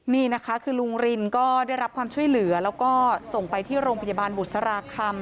นี่นะคะคือลุงรินก็ได้รับความช่วยเหลือแล้วก็ส่งไปที่โรงพยาบาลบุษราคำ